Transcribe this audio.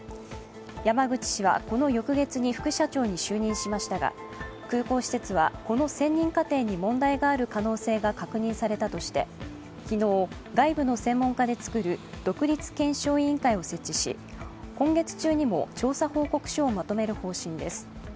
山口氏はこの翌月に副社長に就任しましたが、空港施設はこの選任過程に問題がある可能性が確認されたとして昨日、外部の専門家で作る独立検証委員会を設置し今月中にも調査報告書をまとめる方針です。